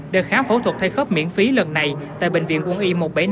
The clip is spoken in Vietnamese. đợt khám phẫu thuật thay khớp miễn phí lần này tại bệnh viện quân y một trăm bảy mươi năm